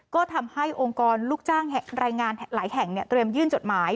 ก็ทำให้องค์กรลูกจ้างรายงานหลายแห่งเตรียมยื่นจดหมาย